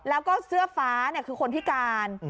แล้วก็เสื้อฟ้าคือคนพิการ